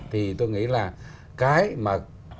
thì tôi nghĩ là cái mà